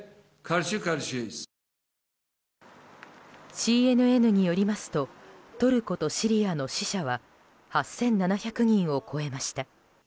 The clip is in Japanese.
ＣＮＮによりますとトルコとシリアの死者は８７００人を超えました。